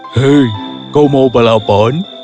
hei kau mau balapan